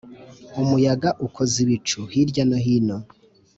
Umuyaga ukoza ibicu hirya no hino